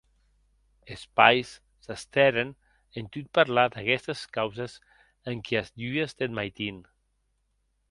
Es pairs s’estèren en tot parlar d’aguestes causes enquias dues deth maitin.